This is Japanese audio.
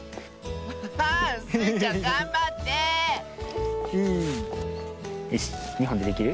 アハハースイちゃんがんばってよし２ほんでできる？